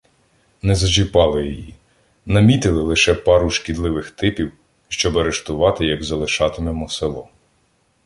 Не зачіпали її, намітили лише пару шкідливих типів, щоб арештувати, як залишатимемо село.